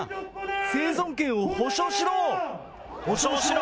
生存権を保障しろ！